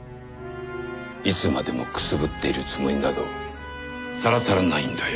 いつまでもくすぶっているつもりなどさらさらないんだよ